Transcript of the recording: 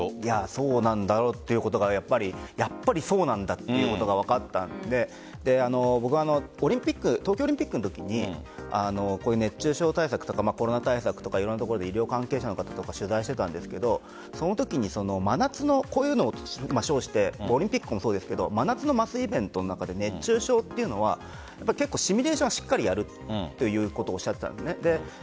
そうなんだろうということがやっぱりそうなんだということが分かったので僕は東京オリンピックのときに熱中症対策とかコロナ対策とか医療関係者の方を取材してたんですけどそのときに真夏のこういうのを称してオリンピックもそうですが真夏のイベントの中で熱中症というのはシミュレーションをしっかりやるということをおっしゃっていたんです。